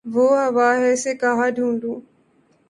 وہ ہوا ہے اسے کہاں ڈھونڈوں